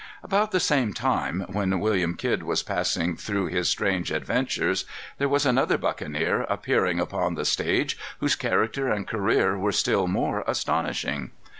About the same time when William Kidd was passing through his strange adventures, there was another buccaneer appearing upon the stage, whose character and career were still more astonishing.